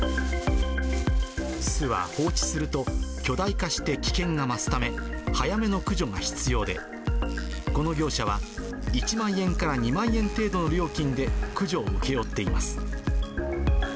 巣は、放置すると巨大化して危険が増すため、早めの駆除が必要で、この業者は、１万円から２万円程度の料金で駆除を請け負っています。